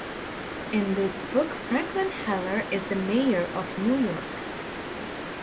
In this book Franklin Heller is the mayor of New York.